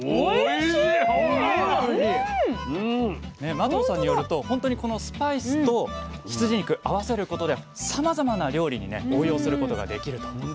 眞藤さんによるとほんとにこのスパイスと羊肉合わせることでさまざまな料理にね応用することができるということなんです。